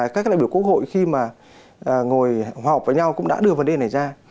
các đại biểu quốc hội khi mà ngồi hòa học với nhau cũng đã đưa vấn đề này ra